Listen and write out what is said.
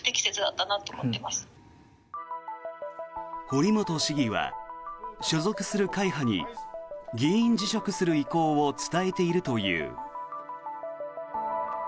堀本市議は所属する会派に議員辞職する意向を伝えているという。